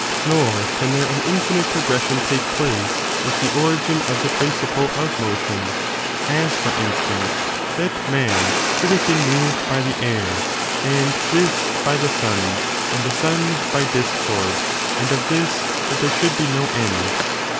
Nor can there an infinite pro gression take place with the origin of the principle of motion; as, for instance, that man should have been moved by the air, and this by the sun, and the sun by discord; and of this that there should be no end.